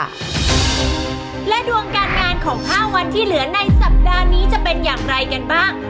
และดวงการงานของ๕วันที่เหลือในสัปดาห์นี้จะเป็นอย่างไรกันบ้าง